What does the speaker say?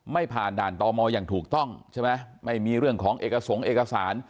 ไม่ผ่านด่านตมอย่างถูกต้องใช่ไหมไม่มีเรื่องของเอกสงค์เอกสาร